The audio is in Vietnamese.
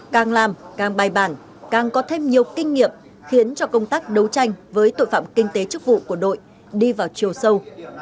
càng làm càng bài bản càng có thêm nhiều kinh nghiệm khiến cho công tác đấu tranh với tội phạm kinh tế chức vụ của đội đi vào chiều sâu